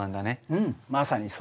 うんまさにそう。